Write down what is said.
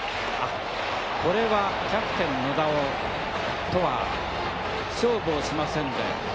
これはキャプテン野田とは勝負をしませんで。